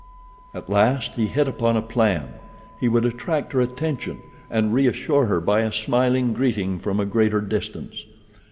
At last he hit upon a plan. He would attract her attention, and reassure her by a smiling greeting from a greater distance.